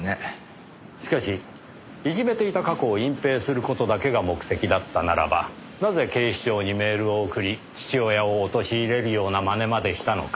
しかしいじめていた過去を隠蔽する事だけが目的だったならばなぜ警視庁にメールを送り父親を陥れるようなまねまでしたのか。